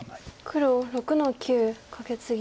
黒６の九カケツギ。